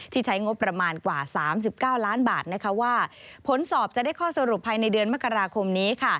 ใช้งบประมาณกว่า๓๙ล้านบาทว่าผลสอบจะได้ข้อสรุปภายในเดือนมกราคมนี้